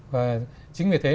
và chính vì thế